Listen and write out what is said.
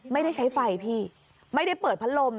ไม่ได้ใช้ไฟพี่ไม่ได้เปิดพัดลม